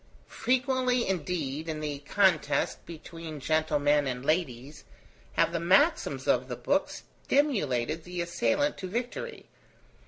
Frequently indeed, in the contest between gentlemen and ladies, have the maxims of the Book stimulated the assailant to victory.